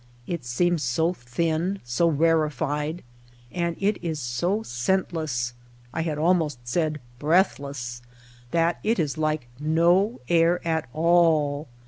It seems so thin, so rarefied ; and it is so scent less — I had almost said breathless — that it is like no air at all.